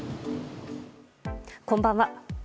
こんばんは。